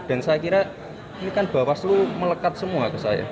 dan saya kira ini kan bawah selu melekat semua ke saya